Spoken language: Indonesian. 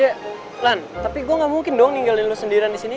ya lan tapi gue gak mungkin dong ninggalin lo sendirian disini